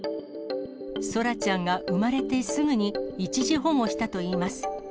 空来ちゃんが産まれてすぐに、一時保護したといいます。